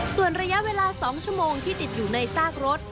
ส่วนระยะเวลา๒ชั่วโมงที่ติดอยู่ในซากรถ